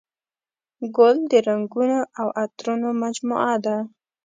ګل د رنګونو او عطرونو مجموعه ده.